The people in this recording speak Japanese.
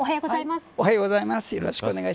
おはようございます。